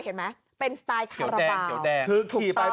เห็นมั้ยเป็นสไตล์ขาราบาล